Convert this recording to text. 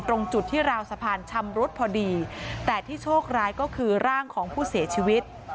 ตรงจุดที่ราวสะพานชำรุดพอดีแต่ที่โชคร้ายก็คือร่างของผู้เสียชีวิต